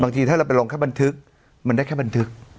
บางทีถ้าเราไปลงแค่บันทึกมันได้แค่บันทึก